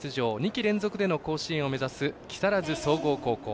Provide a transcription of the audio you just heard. ２季連続での甲子園を目指す木更津総合高校。